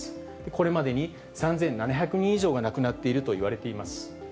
これまでに３７００人以上が亡くなっているといわれています。